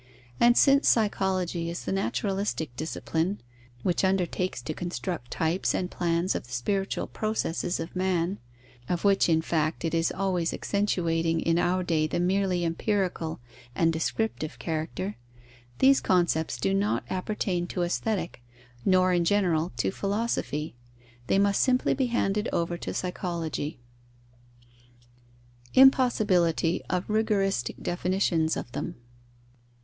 And since Psychology is the naturalistic discipline, which undertakes to construct types and plans of the spiritual processes of man (of which, in fact, it is always accentuating in our day the merely empirical and descriptive character), these concepts do not appertain to Aesthetic, nor, in general, to Philosophy. They must simply be handed over to Psychology. _Impossibility of rigoristic definitions of them.